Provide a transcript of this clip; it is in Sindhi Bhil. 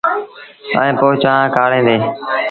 ائيٚݩ پو چآنه ڪآڙيٚن ديٚݩ۔